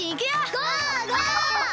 ゴー！